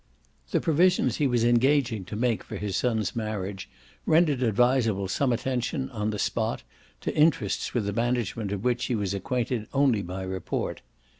The provisions he was engaging to make for his son's marriage rendered advisable some attention, on the spot, to interests with the management of which he was acquainted only by report.